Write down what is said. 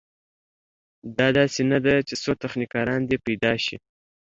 دا داسې نه ده چې څو تخنیکران دې پیدا شي.